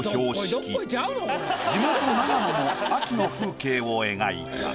地元長野の秋の風景を描いた。